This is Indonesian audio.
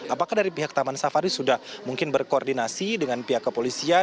apakah dari pihak taman safari sudah mungkin berkoordinasi dengan pihak kepolisian